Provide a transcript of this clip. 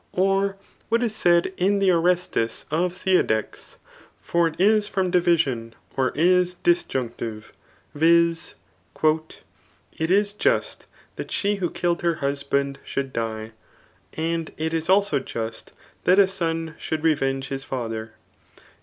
Or what k said in dK Orestes of Theodectes ; for it is from dirision, [or is disjunctive,] vis. ^^ It is jont Aat she who killed her hudband diould die ; and k is also just that a son should revenge his father.